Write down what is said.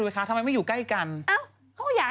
ยืนยันหนูไม่ใช่เพจใต้เจียงดารา